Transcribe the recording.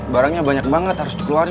barangnya banyak banget harus dikeluarin